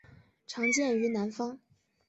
常见于南方。